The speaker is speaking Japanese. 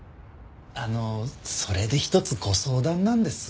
あのそれで一つご相談なんですが。